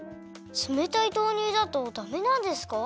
つめたい豆乳だとダメなんですか？